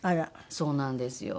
そうなんですよ。